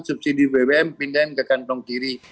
subsidi bbm pindahin ke kantong kiri